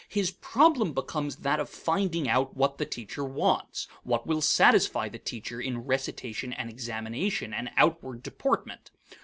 His problem becomes that of finding out what the teacher wants, what will satisfy the teacher in recitation and examination and outward deportment.